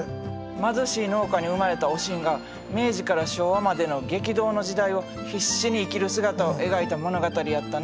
貧しい農家に生まれたおしんが明治から昭和までの激動の時代を必死に生きる姿を描いた物語やったな。